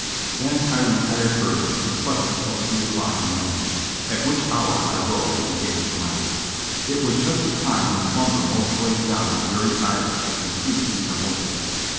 Then 1 retired early and slept until three o'clock in the morning, at which hour I rose and gazed around. It was just the time when slumber most weighs down the weary eye lids and sleep resembles death.